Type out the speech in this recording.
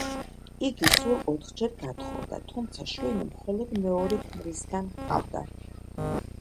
იგი სულ ოთხჯერ გათხოვდა, თუმცა შვილი მხოლოდ მეორე ქმრისგან ჰყავდა.